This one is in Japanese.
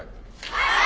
はい！